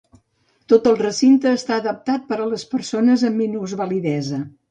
Tot el recinte està adaptat per a les persones amb minusvalidesa.